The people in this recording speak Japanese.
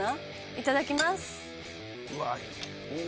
いただきます。